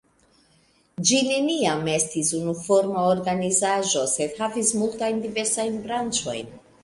Ĝi neniam estis unuforma organizaĵo sed havis multajn diversajn branĉojn.